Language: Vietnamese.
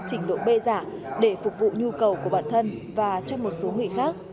chỉnh độ bê giả để phục vụ nhu cầu của bản thân và cho một số người khác